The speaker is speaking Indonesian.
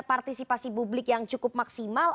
partisipasi publik yang cukup maksimal